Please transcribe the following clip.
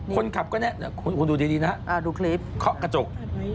คนขับก็แน่คุณดูดีนะฮะข้อกระจก